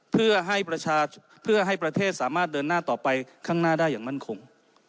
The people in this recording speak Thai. เพื่อให้เพื่อให้ประเทศสามารถเดินหน้าต่อไปข้างหน้าได้อย่างมั่นคง